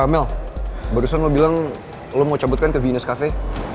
mel barusan lo bilang lo mau cabut kan ke venus cafe